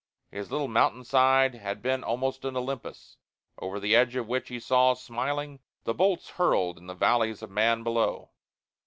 His little mountain side had been almost an Olympus, over the edge of which he saw, smiling, the bolts hurled in the valleys of man below.